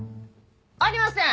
ありません！